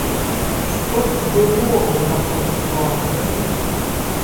Што б было ў такой сітуацыі?